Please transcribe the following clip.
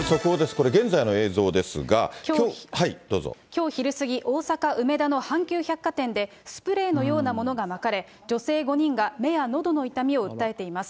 これ、きょう昼過ぎ、大阪・梅田の阪急百貨店で、スプレーのようなものがまかれ、女性５人が目やのどの痛みを訴えています。